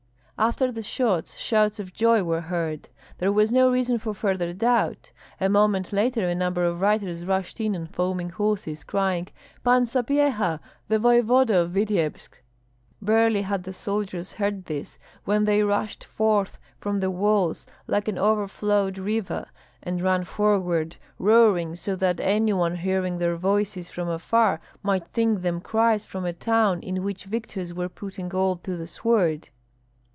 After the shots shouts of joy were heard. There was no reason for further doubt; a moment later a number of riders rushed in on foaming horses, crying, "Pan Sapyeha! the voevoda of Vityebsk!" Barely had the soldiers heard this, when they rushed forth from the walls, like an overflowed river, and ran forward, roaring so that any one hearing their voices from afar might think them cries from a town in which victors were putting all to the sword.